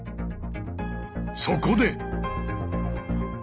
そこで！